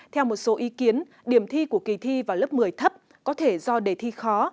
theo một số ý kiến điểm thi của kỳ thi vào lớp một mươi thấp có thể do đề thi khó